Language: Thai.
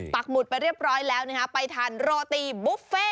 หมุดไปเรียบร้อยแล้วไปทานโรตีบุฟเฟ่